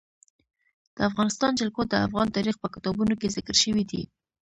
د افغانستان جلکو د افغان تاریخ په کتابونو کې ذکر شوی دي.